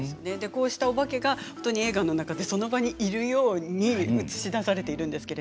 こうしたおばけが映画の中で、その場にいるように映し出されています。